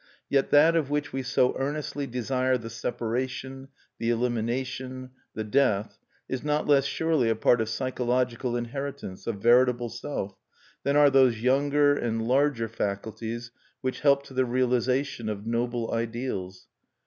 Yet that of which we so earnestly desire the separation, the elimination, the death, is not less surely a part of psychological inheritance, of veritable Self, than are those younger and larger faculties which help to the realization of noble ideals.